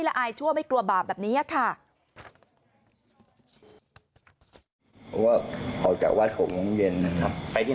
ไปที่ไหนได้บอกไหม